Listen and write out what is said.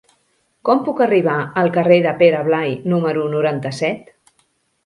Com puc arribar al carrer de Pere Blai número noranta-set?